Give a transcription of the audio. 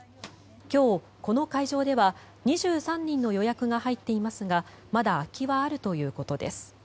今日、この会場では２３人の予約が入っていますがまだ空きはあるということです。